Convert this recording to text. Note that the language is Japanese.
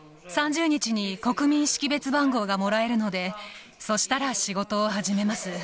３０日に国民識別番号がもらえるので、そしたら仕事を始めます。